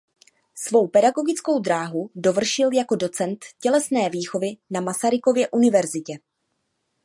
Svou pedagogickou dráhu dovršil jako docent tělesné výchovy na Masarykově univerzitě.